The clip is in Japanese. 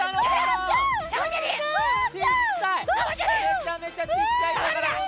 めちゃめちゃちっちゃく！